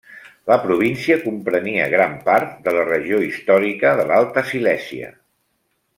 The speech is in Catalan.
La província comprenia gran part de la regió històrica de l'Alta Silèsia.